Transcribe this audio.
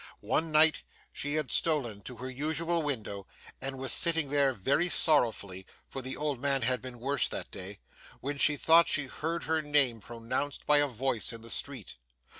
One night, she had stolen to her usual window, and was sitting there very sorrowfully for the old man had been worse that day when she thought she heard her name pronounced by a voice in the street.